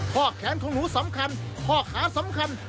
ข้อแขนของหนูสำคัญข้อขาสำคัญ